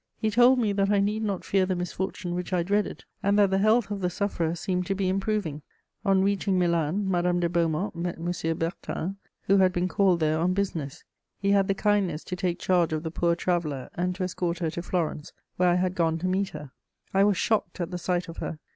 He told me that I need not fear the misfortune which I dreaded, and that the health of the sufferer seemed to be improving. On reaching Milan, Madame de Beaumont met M. Bertin, who had been called there on business: he had the kindness to take charge of the poor traveller and to escort her to Florence, where I had gone to meet her. I was shocked at the sight of her.